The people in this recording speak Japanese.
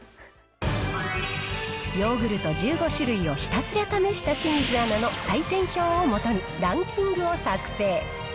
ヨーグルト１５種類をひたすら試した清水アナの採点表を基にランキングを作成。